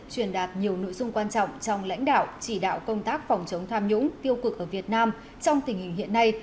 truyền đạt nhiều nội dung quan trọng trong lãnh đạo chỉ đạo công tác phòng chống tham nhũng tiêu cực ở việt nam trong tình hình hiện nay